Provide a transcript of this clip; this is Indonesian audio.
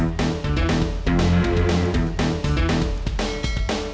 maksudnya apaan nih